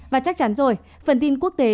và chắc chắn rồi phần tin quốc tế